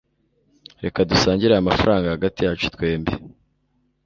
reka dusangire aya mafranga hagati yacu twembi